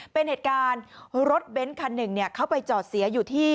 เป็นเหตุการณ์รถเบ้นคันหนึ่งเขาไปจอดเสียอยู่ที่